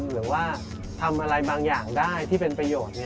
หรือว่าทำอะไรบางอย่างได้ที่เป็นประโยชน์